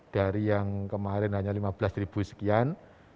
dari yang kemarin hanya lima belas ribu sekian